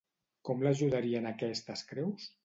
Com l'ajudarien aquestes creus?